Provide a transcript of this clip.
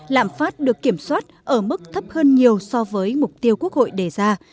lạm phát được kiểm soát ở mức thấp hơn nhiều so với mục tiêu quốc hội đề ra